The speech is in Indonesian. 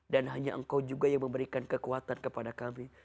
hanya engkau juga yang memberikan kekuatan kepada kami